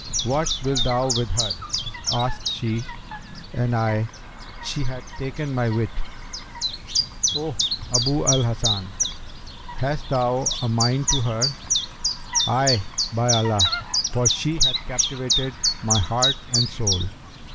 'What wilt thou with her?' asked she; and I, 'She hath taken my wit.' 'O Abu al Hasan, hast thou a mind to her?' 'Ay, by Allah! for she hath captivated my heart and soul.'